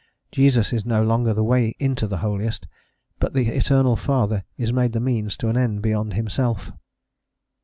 Jesus is no longer the way into the Holiest, but the Eternal Father is made the means to an end beyond himself.